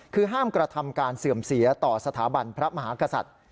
คือห้ามกระทำการเสื่อมเสียต่อสถาบันพระมหากษัตริย์